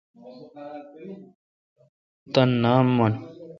تان نام من۔